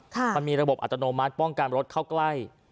มันมีระบบอัตโนมัติป้องกันรถเข้าใกล้